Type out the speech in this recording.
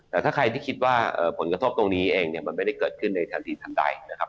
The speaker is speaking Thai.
แต่ถ้าใครที่คิดว่าผลกระทบตรงนี้เองเนี่ยมันไม่ได้เกิดขึ้นในทันทีทันใดนะครับ